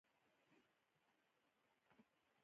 په دې ناول کې د ژوند او مرګ ټاکنه ده.